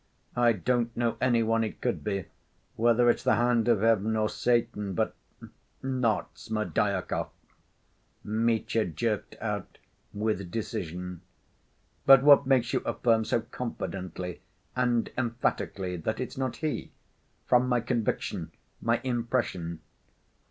"I don't know any one it could be, whether it's the hand of Heaven or Satan, but ... not Smerdyakov," Mitya jerked out with decision. "But what makes you affirm so confidently and emphatically that it's not he?" "From my conviction—my impression.